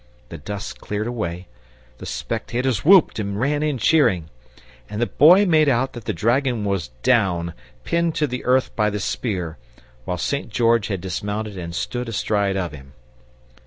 The dust cleared away, the spectators whooped and ran in cheering, and the Boy made out that the dragon was down, pinned to the earth by the spear, while St. George had dismounted, and stood astride of him.